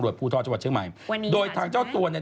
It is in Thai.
จังหวัดเชียงใหม่โดยทางเจ้าตัวเนี่ย